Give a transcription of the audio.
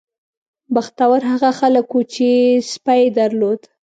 بختور هغه خلک وو چې سپی یې درلود.